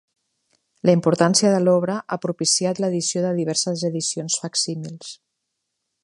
La importància de l'obra ha propiciat l'edició de diverses edicions facsímils.